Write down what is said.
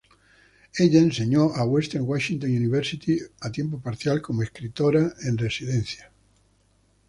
Ella enseñó en Western Washington University a tiempo parcial como escritora en residencia.